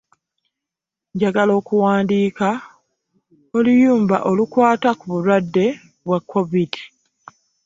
Njagala okuwandiika oluyumba okuwata ku bulwadde bwa kovid.